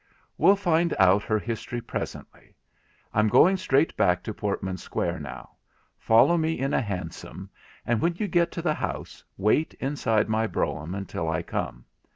'We'll find out her history presently. I'm going straight back to Portman Square now. Follow me in a hansom, and when you get to the house, wait inside my brougham until I come.